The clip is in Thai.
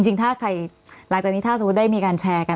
จริงถ้าใครหลังจากนี้ถ้าสมมุติได้มีการแชร์กัน